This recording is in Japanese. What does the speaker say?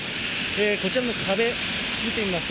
こちらの壁見てみますと、